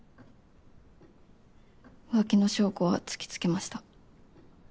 浮気の証拠は突きつけました。